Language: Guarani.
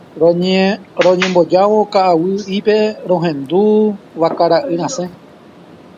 Roñembojávo ka'aguy'ípe rohendu vakara'y rasẽ.